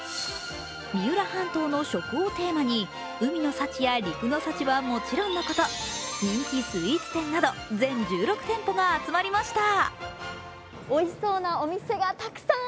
三浦半島の食をテーマに、海の幸や陸の幸はもちろんのこと、人気スイーツ店など全１６店舗が集まりました。